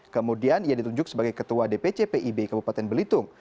kemudian ia ditunjuk sebagai ketua dpc pib kabupaten belitung